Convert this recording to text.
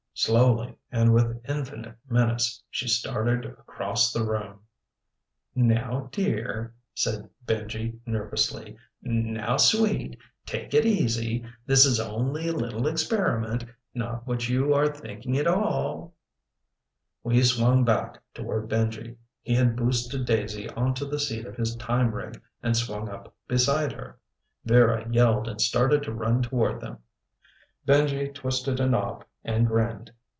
Slowly and with infinite menace, she started across the room. "Now, dear," said Benji nervously, "now, sweet, take it easy. This is only a little experiment. Not what you are thinking at all." We swung back toward Benji. He had boosted Daisy onto the seat of his time rig and swung up beside her. Vera yelled and started to run toward them. Benji twisted a knob and grinned.